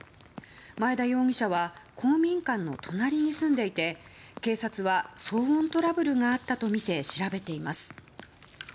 前田容疑者は公民館の隣に住んでいて警察は騒音トラブルがあったとみて調べています。